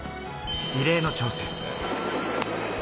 異例の挑戦。